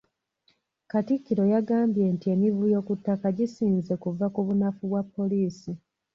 Katikkiro yagambye nti emivuyo ku ttaka gisinze kuva ku bunafu bwa poliisi.